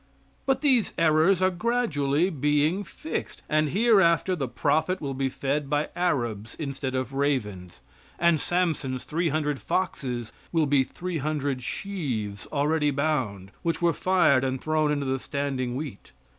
But these errors are gradually being fixed, and hereafter the prophet will be fed by Arabs instead of "ravens," and Samson's three hundred foxes will be three hundred "sheaves" already bound, which were fired and thrown into the standing wheat.